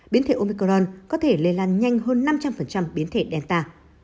biến thể omicron có thể lây lan nhanh hơn năm trăm linh biến thể delta